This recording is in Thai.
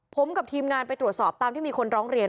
ผมกับทีมงานไปตรวจสอบตามที่มีคนร้องเรียน